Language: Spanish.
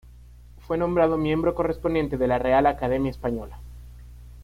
Fue nombrado miembro correspondiente de la Real Academia Española.